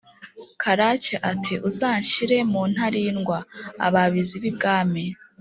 karake ati: « uzanshyire mu ntarindwa. ababazi b'ibwami